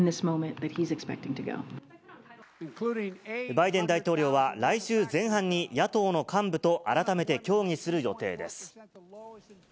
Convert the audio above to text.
バイデン大統領は、来週前半に野党の幹部と改めて協議する予定です。